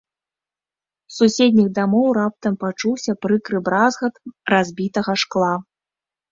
З суседніх дамоў раптам пачуўся прыкры бразгат разбітага шкла.